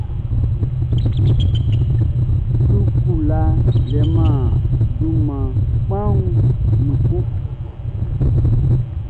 Sukula leman dunman kpanwun nun kun.